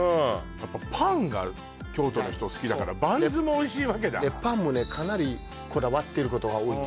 やっぱパンが京都の人好きだからバンズもおいしいわけだパンもねかなりこだわってることが多いですよね